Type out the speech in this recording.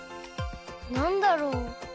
なんだろう？